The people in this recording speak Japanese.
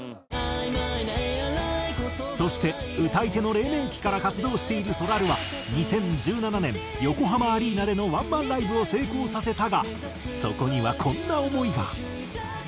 「曖昧なエアライン」そして歌い手の黎明期から活動しているそらるは２０１７年横浜アリーナでのワンマンライブを成功させたがそこにはこんな思いが。